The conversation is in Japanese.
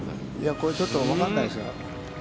これ、ちょっと分からないですよ。